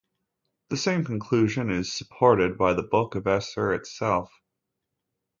The same conclusion is supported by the book of Esther itself.